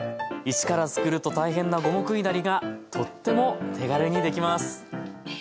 一から作ると大変な五目いなりがとっても手軽にできます。